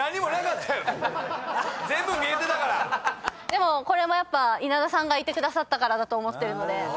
でもこれもやっぱ稲田さんがいてくださったからだと。